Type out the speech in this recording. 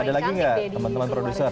ada lagi nggak teman teman produser